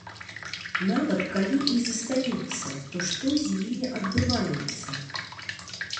Нават калі і застаюцца, то што з імі адбываецца?